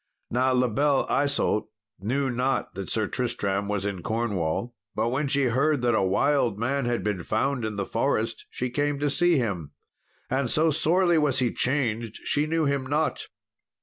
Now La Belle Isault knew not that Sir Tristram was in Cornwall; but when she heard that a wild man had been found in the forest, she came to see him. And so sorely was he changed, she knew him not.